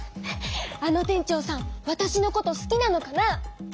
あの店長さんわたしのこと好きなのかな